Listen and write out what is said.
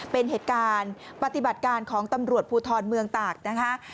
เป็นเหตุการณ์ปฏิบัติการของตำรวจภูทรเมืองตากนะคะ